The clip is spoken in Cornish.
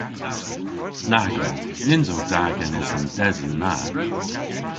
Nag o! Nyns o da genes an desen na.